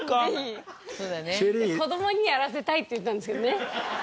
子どもにやらせたいって言ったんですけどね。